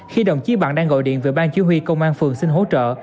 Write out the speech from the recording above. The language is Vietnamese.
khi đồng chí bằng đang gọi điện về bang chứ huy công an phường xin hỗ trợ